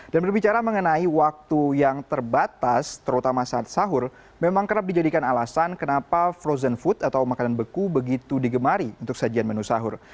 dan berbicara mengenai waktu yang terbatas terutama saat sahur memang kerap dijadikan alasan kenapa frozen food atau makanan beku begitu digemari untuk sajian menu sahur